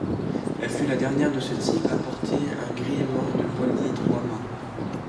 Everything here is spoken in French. Elle fut la dernière de ce type à porter un gréement de voilier trois-mâts.